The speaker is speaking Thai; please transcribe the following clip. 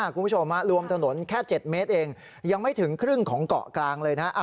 คุณผู้ชมรวมถนนแค่๗เมตรเองยังไม่ถึงครึ่งของเกาะกลางเลยนะ